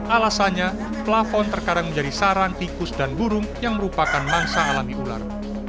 alasannya plafon terkadang menjadi saran tikus dan burung yang merupakan mangsa alami ular